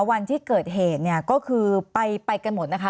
วันที่เกิดเหตุเนี่ยก็คือไปกันหมดนะคะ